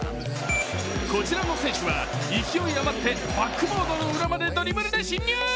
こちらの選手は、勢い余ってバックボードの裏までドリブルで侵入。